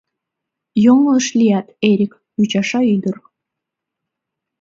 — Йоҥылыш лият, Эрик, — ӱчаша ӱдыр.